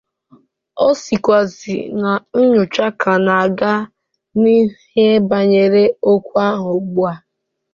Ọ sịkwazị na nnyocha ka na-aga n'ihu bànyere okwu ahụ ugbua